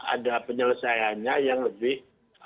ada penyelesaiannya yang lebih